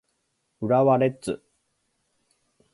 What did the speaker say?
浦和レッズ